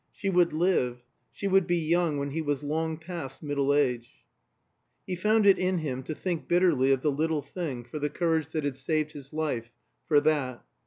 She would live, she would be young when he was long past middle age. He found it in him to think bitterly of the little thing for the courage that had saved his life for that.